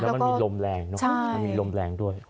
แล้วมันมีลมแรงมีลมแรงด้วย